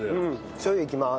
しょう油いきます。